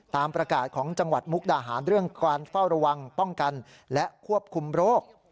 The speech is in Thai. ตามประกาศของจังหวัดมุกดาหารเรื่องการเฝ้าระวังป้องกันและควบคุมโรค